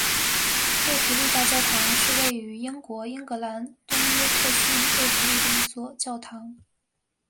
贝弗利大教堂是位于英国英格兰东约克郡贝弗利的一座教堂。